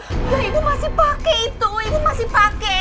ya ibu masih pake itu ibu masih pake